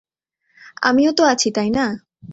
আমিও তো আছি, তাই না?